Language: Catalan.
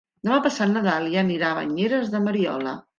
Demà passat na Dàlia anirà a Banyeres de Mariola.